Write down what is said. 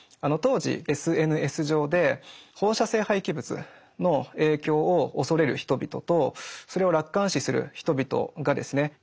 当時ＳＮＳ上で放射性廃棄物の影響を恐れる人々とそれを楽観視する人々がですね